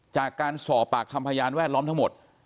จากการสอบปากคำพยานแวดล้อมทั้งหมด